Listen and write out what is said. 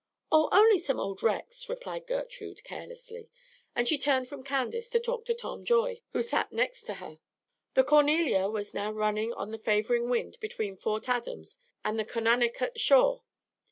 "Oh, only some old wrecks," replied Gertrude, carelessly; and she turned from Candace to talk to Tom Joy, who sat next to her. The "Cornelia" was now running on the favoring wind between Fort Adams and the Conanicut shore.